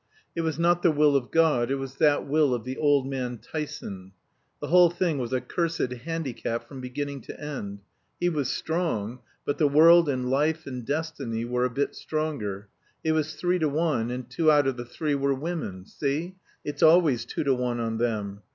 It was not the will of God; it was that will of the old man Tyson. The whole thing was a cursed handicap from beginning to end. He was strong; but the world and life and destiny were a bit stronger it was three to one, and two out of the three were women see? It's always two to one on them.